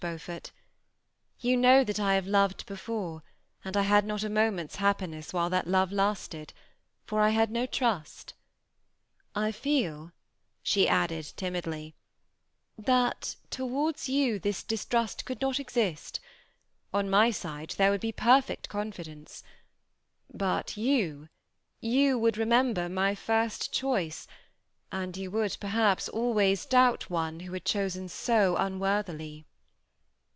319 Beaufort ; you know that I have loved before, and I had not a moment's happiness while that love lasted, for I had no trust. I feel," she added, timidly, " that to wards you this distrust could, uot exist; on my side there would be perfect confidence ; but you, you would remember my first choice, and you would perhaps always doubt one who had chosen so un worthily.